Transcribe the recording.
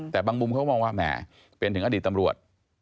แต่บางมุมเขามองว่าแหมเป็นถึงอดีตตำรวจ